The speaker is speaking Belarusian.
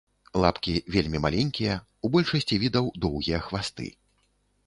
Лапкі вельмі маленькія, у большасці відаў доўгія хвасты.